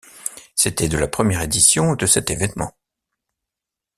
C'était de la première édition de cet évènement.